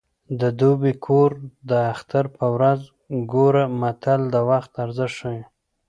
د دوبي کور د اختر په ورځ ګوره متل د وخت ارزښت ښيي